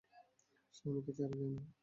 সে আমাকে ছেড়ে যায় নি।